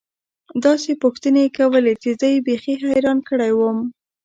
داسې پوښتنې يې کولې چې زه يې بيخي حيران کړى وم.